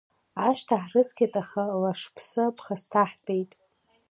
Ашҭа ҳрыцқьеит, аха Лашԥсы ԥхасҭаҳтәит.